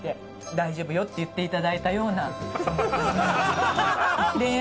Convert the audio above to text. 大丈夫よって言っていただいたようなそんな感じが。